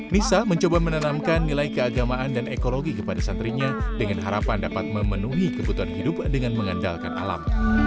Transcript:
nisa mencoba menanamkan nilai keagamaan dan ekologi kepada santrinya dengan harapan dapat memenuhi kebutuhan hidup dengan mengandalkan alam